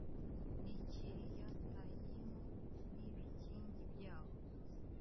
n i Kiriyatayimu n ibikingi byaho